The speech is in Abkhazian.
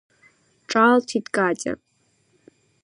Ҿаалҭит Катиа.